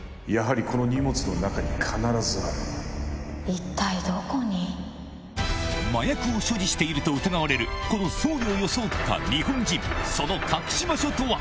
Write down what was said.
えっ⁉麻薬を所持していると疑われるこの僧侶を装った日本人その隠し場所とは？